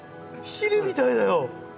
ヒルみたいだよ。